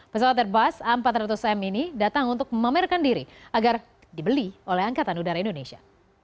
pesawat airbus a empat ratus m ini datang untuk memamerkan diri agar dibeli oleh angkatan udara indonesia